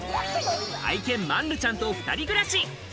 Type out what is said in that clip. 愛犬マンルちゃんと２人暮らし。